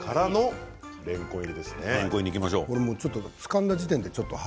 れんこんにいきましょう。